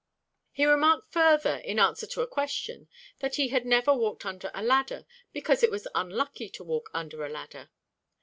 He remarked further, in answer to a question, that he had never walked under a ladder, because it was unlucky to walk under a ladder.